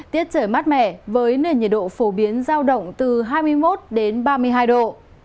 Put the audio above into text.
tiết trời mát mẻ với nền nhiệt độ phổ biến giao động từ hai mươi một đến ba mươi hai độ